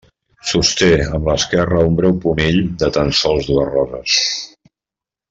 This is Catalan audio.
Sosté amb l'esquerra un breu pomell de tan sols dues roses.